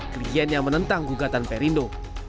kliennya menentang gugatan perindo